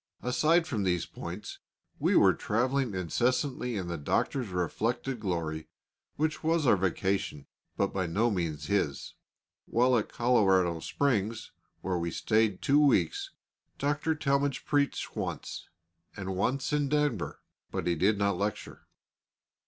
Aside from these points, we were travelling incessantly in the Doctor's reflected glory, which was our vacation, but by no means his. While at Colorado Springs, where we stayed two weeks, Dr. Talmage preached once, and once in Denver, but he did not lecture.